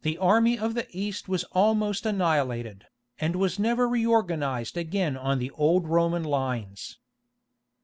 The army of the East was almost annihilated, and was never reorganized again on the old Roman lines.